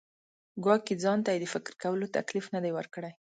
ګواکې ځان ته یې د فکر کولو تکلیف نه دی ورکړی.